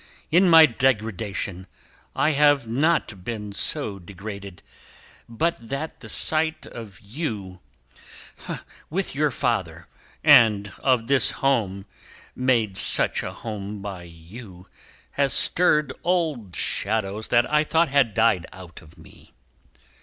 In my degradation I have not been so degraded but that the sight of you with your father, and of this home made such a home by you, has stirred old shadows that I thought had died out of me.